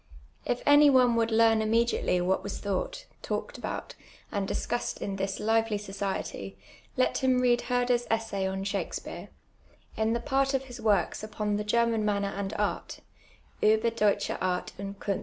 If any one would learn immediately what was thoup:ht, talked about, and discussed in this lively society, let him read Herder's essay on Shakspeare, in the part of his works upon the German manner and art ( Ueber Deutsche Art unci Kifn.